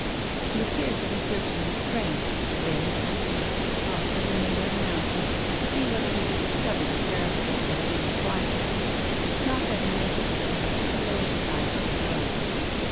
He appeared to be searching his brain, then cast a look at the tops of the neighboring mountains to see whether he could discover the paralytic that he required. Not having made the discovery, he lowered his eyes to the road.